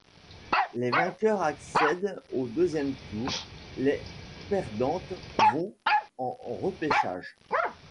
Les vainqueurs accèdent au deuxième tour, les perdantes vont en repêchage.